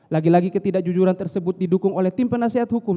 lagi lagi ketidakjujuran tersebut didukung oleh tim penasehat hukum